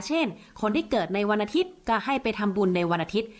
เช่นคนที่เกิดในวันอาทิตย์ก็ให้ไปทำบุญในวันอาทิตย์